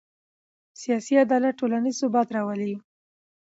سیاسي عدالت ټولنیز ثبات راولي